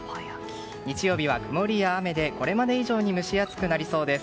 日曜日は曇りや雨でこれまで以上に蒸し暑くなりそうです。